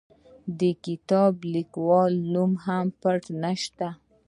د دې کتاب د لیکوال نوم او پته نه شته.